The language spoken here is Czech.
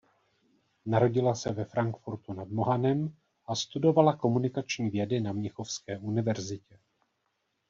Narodila se ve Frankfurtu nad Mohanem a studovala komunikační vědy na Mnichovské univerzitě.